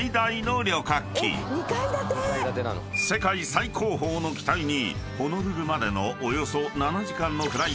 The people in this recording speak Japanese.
［世界最高峰の機体に］